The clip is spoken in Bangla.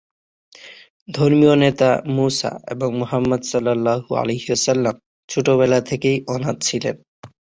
ধর্মীয় নেতা মুসা এবং মুহাম্মাদ ছোটবেলা থেকেই অনাথ ছিলেন।